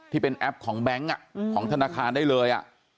ที่เป็นแอปของแบงค์ของธนาคารได้เลย